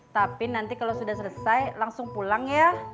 tapi nanti kalau sudah selesai langsung pulang ya